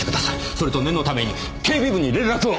それと念のために警備部に連絡を！